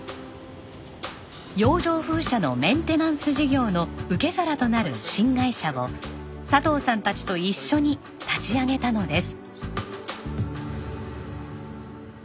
洋上風車のメンテナンス事業の受け皿となる新会社を佐藤さんたちと一緒に立ち上げたのです。